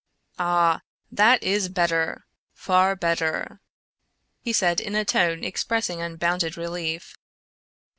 "Ah! that is better; far better!" he said in a tone expressing unbounded relief.